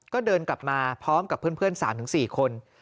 ก็เดินกลับมาพร้อมกับเพื่อน๓๔คน